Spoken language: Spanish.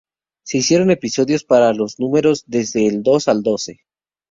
Se hicieron episodios para los números desde el dos al doce.